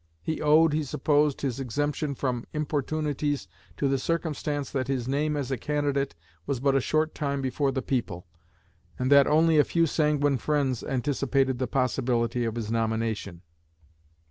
He owed, he supposed, his exemption from importunities to the circumstance that his name as a candidate was but a short time before the people, and that only a few sanguine friends anticipated the possibility of his nomination.